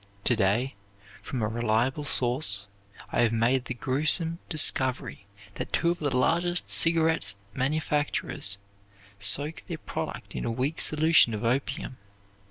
To day, from a reliable source, I have made the grewsome discovery that two of the largest cigarette manufacturers soak their product in a weak solution of opium.